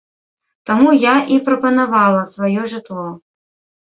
Таму я і прапанавала сваё жытло.